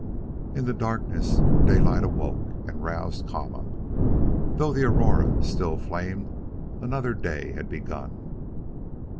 In the darkness Daylight awoke and roused Kama. Though the aurora still flamed, another day had begun.